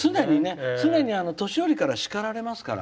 常に年寄りから叱られますから。